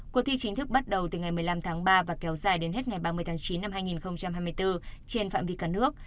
cuộc thi chính thức bắt đầu từ ngày một mươi năm tháng ba và kéo dài đến hết ngày ba mươi tháng chín năm hai nghìn hai mươi bốn trên phạm vi cả nước